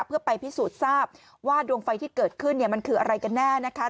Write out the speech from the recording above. เพื่อไปพิสูจน์ทราบว่าดวงไฟที่เกิดขึ้นมันคืออะไรกันแน่นะคะ